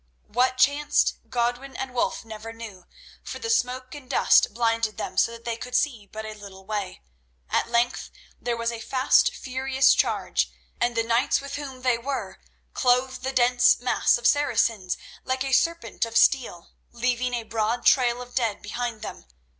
What chanced Godwin and Wulf never knew, for the smoke and dust blinded them so that they could see but a little way. At length there was a last furious charge, and the knights with whom they were clove the dense mass of Saracens like a serpent of steel, leaving a broad trail of dead behind them.